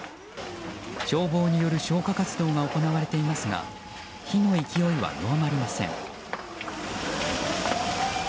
消防による消火活動が行われていますが火の勢いは弱まりません。